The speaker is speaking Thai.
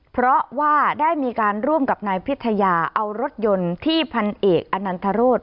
เพราะว่าได้มีการร่วมกับนายพิทยาเอารถยนต์ที่พันเอกอนันทรศ